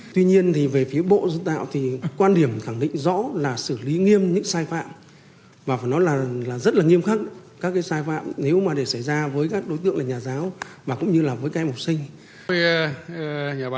tuy nhiên về phía bộ giáo dục và đào tạo thì quan điểm khẳng định rõ là xử lý nghiêm những sai phạm và phải nói là rất nghiêm khắc các sai phạm nếu mà để xảy ra với các đối tượng là nhà giáo và cũng như là với các em học sinh